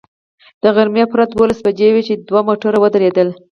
د غرمې پوره دولس بجې وې چې دوه موټر ودرېدل.